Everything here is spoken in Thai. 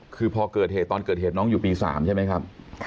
คือพอเกิดเหตุตอนเกิดเหตุน้องอยู่ปี๓ใช่ไหมครับ